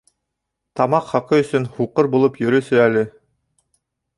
Тамаҡ хаҡы өсөн һуҡыр булып йөрөсө әле.